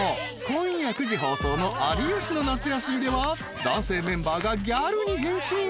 今夜９時放送の『有吉の夏休み』では男性メンバーがギャルに変身！］